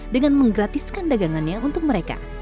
dengan menggratiskan dagangannya untuk mereka